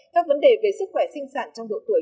các vấn đề về sức khỏe sinh sản trong độ tuổi